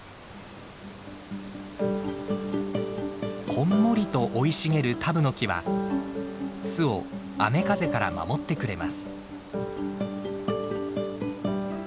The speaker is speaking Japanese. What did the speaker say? こんもりと生い茂るタブノキは巣を雨風から守ってくれます。